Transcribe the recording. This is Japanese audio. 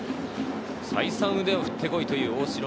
再三、腕を振ってこいという大城。